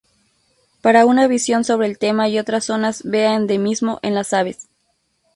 Para una visión sobre el tema y otras zonas vea endemismo en las aves.